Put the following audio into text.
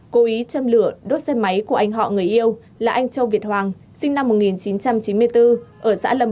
cô ý châm lửa đốt xe máy của anh họ người yêu là anh châu việt hoàng sinh năm một nghìn chín trăm chín mươi bốn ở xã lâm bình tuyên quang